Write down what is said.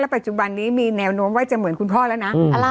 ปัจจุบันนี้มีแนวโน้มว่าจะเหมือนคุณพ่อแล้วนะ